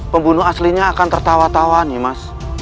pembunuh aslinya akan tertawa tawa nih mas